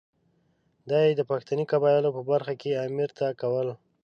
دا یې د پښتني قبایلو په برخه کې امیر ته کول.